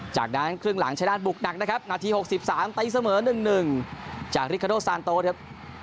จากนั้นครึ่งหลังชายนาฏบุกหนักนะครับนาที๖๓ตีเสมอ๑๑จากริคาโดซานโต๊ครับ